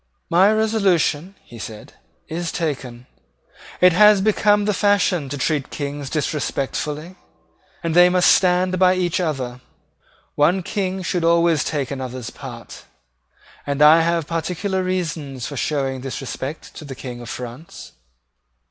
"My resolution," he said, "is taken. It has become the fashion to treat Kings disrespectfully; and they must stand by each other. One King should always take another's part: and I have particular reasons for showing this respect to the King of France."